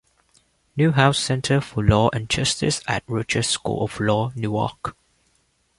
Newhouse Center for Law and Justice at Rutgers School of Law - Newark.